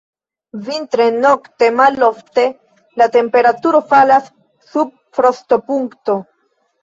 Vintre nokte malofte la temperaturo falas sub frostopunkto.